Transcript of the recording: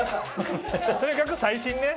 とにかく最新ね。